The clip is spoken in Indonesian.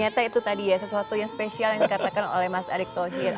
ternyata itu tadi ya sesuatu yang spesial yang dikatakan oleh mas erick thohir